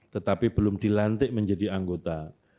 tetapi belum dilantik menjadi anggota